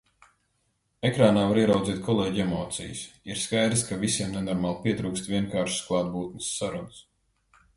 Ekrānā var ieraudzīt kolēģu emocijas. ir skaidrs, ka visiem nenormāli pietrūkst vienkāršas klātbūtnes sarunas.